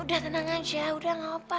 udah tenang aja udah gak apa apa